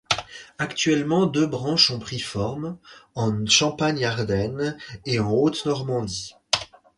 Actuellement deux branches ont pris forme, en Champagne-Ardenne et en Haute-Normandie.